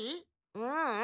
ううん。